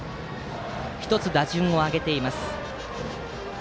１つ打順を上げています。